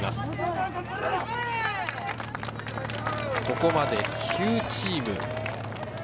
ここまで９チーム。